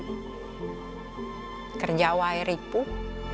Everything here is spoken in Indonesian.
kita berjumpa dengan raja piyah